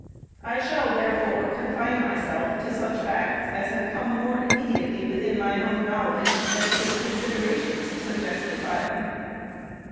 I shall, therefore, confine myself to such facts as have come more immediately within my own knowledge, and to the considerations suggested by them.